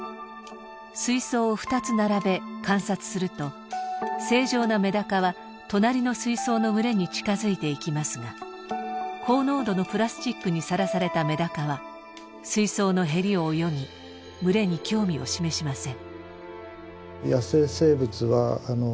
水槽を２つ並べ観察すると正常なメダカは隣の水槽の群れに近づいていきますが高濃度のプラスチックにさらされたメダカは水槽のへりを泳ぎ群れに興味を示しません。